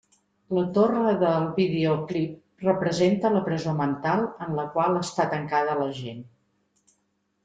La torre del videoclip representa la presó mental en la qual està tancada la gent.